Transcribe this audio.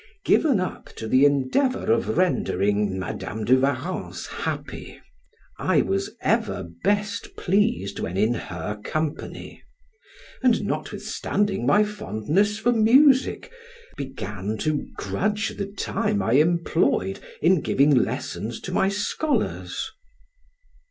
Given up to the endeavor of rendering Madam de Warrens happy, I was ever best pleased when in her company, and, notwithstanding my fondness for music, began to grudge the time I employed in giving lessons to my scholars.